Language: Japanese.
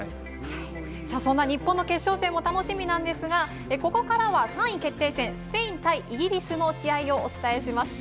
そんな日本の決勝戦も楽しみなんですがここからは３位決定戦、スペイン対イギリスの試合をお伝えします。